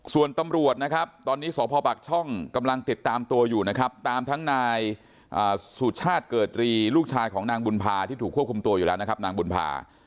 ส่วนตำรวจนะครับตอนนี้สพปักช่องกำลังติดตามตัวอยู่นะครับตามทั้งนายสุชาติเกิดรีลูกชายของนางบุญภาที่ถูกควบคุมตัวอยู่แล้วนะครับนางบุญภา